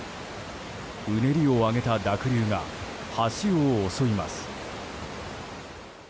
うねりを上げた濁流が橋を襲います。